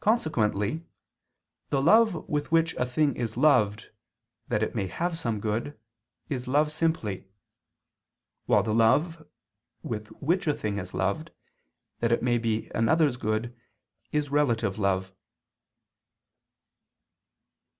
Consequently the love with which a thing is loved, that it may have some good, is love simply; while the love, with which a thing is loved, that it may be another's good, is relative love.